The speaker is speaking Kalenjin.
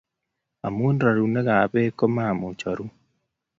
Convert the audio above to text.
omu rorunekab beek, ko ma amuch oru